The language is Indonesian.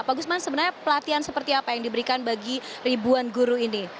pak gusman sebenarnya pelatihan seperti apa yang diberikan bagi ribuan guru ini